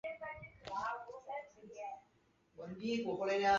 莱昂西兹孔。